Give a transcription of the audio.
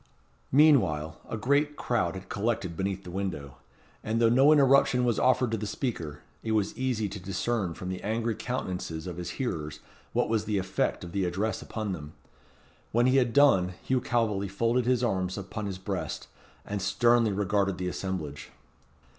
Meanwhile, a great crowd had collected beneath the window, and though no interruption was offered to the speaker, it was easy to discern from the angry countenances of his hearers what was the effect of the address upon them. When he had done, Hugh Calveley folded his arms upon his breast, and sternly regarded the assemblage.